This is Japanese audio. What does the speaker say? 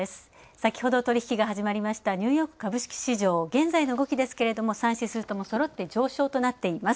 先ほど、取引が始まりましたニューヨーク株式市場、現在の動きですけれども３指数ともそろって上昇となっています。